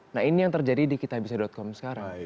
nah ini yang terjadi di kitabisa com sekarang